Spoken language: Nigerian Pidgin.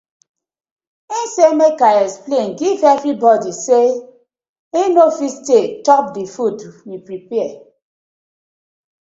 Im say mek I explain giv everi bodi sake of say im no fit stay to eat the food we prapare.